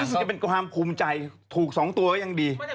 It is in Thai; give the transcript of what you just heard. วันนี้จะจะถึงความภูมิใจถูก๒ตัวก็ยังดี